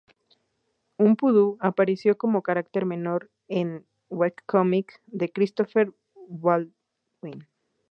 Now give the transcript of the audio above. Un pudú apareció como carácter menor en el webcómic de Christopher Baldwin.